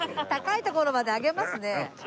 高いところまで上げますね。